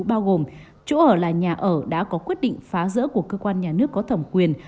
bao gồm chỗ ở là nhà ở đã có quyết định phá rỡ của cơ quan nhà nước có thẩm quyền